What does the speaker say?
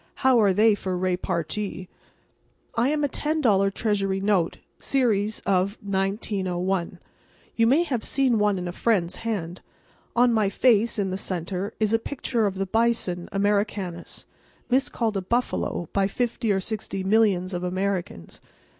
How are they for repartee? I am a ten dollar Treasury note, series of 1901. You may have seen one in a friend's hand. On my face, in the centre, is a picture of the bison Americanus, miscalled a buffalo by fifty or sixty millions of Americans.